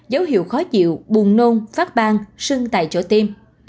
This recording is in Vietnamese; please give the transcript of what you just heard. dấu hiệu khó chịu buồn nôn phát bang sưng tại chỗ tiêm